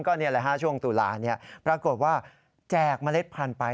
ก็นี่แหละฮะช่วงตุลาปรากฏว่าแจกเมล็ดพันธุ์ไป